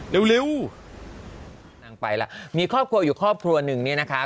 เร็วนางไปแล้วมีครอบครัวอยู่ครอบครัวหนึ่งเนี่ยนะคะ